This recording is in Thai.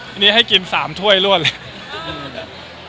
อันนี้ให้กิน๓ถ้วยรวดเลย